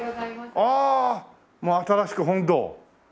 ああもうまさしく本堂。